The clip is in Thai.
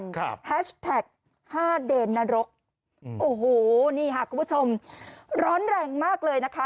แฮชแท็กห้าเดนนรกอืมโอ้โหนี่ค่ะคุณผู้ชมร้อนแรงมากเลยนะคะ